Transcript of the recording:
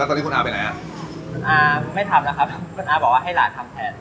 ตอนนี้คุณอาไปไหนอ่ะคุณอาไม่ทำแล้วครับคุณอาบอกว่าให้หลานทำแทน